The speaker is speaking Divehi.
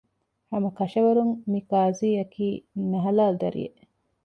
ހަމަކަށަވަރުން މި ޤާޟީއަކީ ނަހަލާލު ދަރިއެއް